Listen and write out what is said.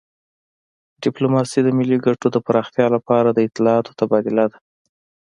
ډیپلوماسي د ملي ګټو د پراختیا لپاره د اطلاعاتو تبادله ده